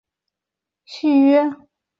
而他亦拒绝减薪续约。